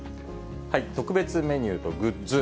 特別メニューとグッズ。